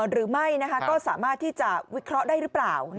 หรือไม่ก็สามารถที่จะวิเคราะห์ได้หรือเปล่า